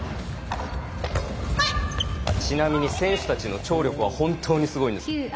ちなみに、選手たちの聴力は本当にすごいんです。